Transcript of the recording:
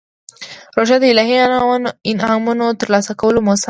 روژه د الهي انعامونو ترلاسه کولو موسم دی.